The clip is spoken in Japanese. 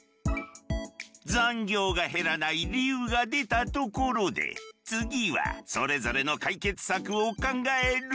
残業が減らない理由が出たところで次はそれぞれの解決策を考える。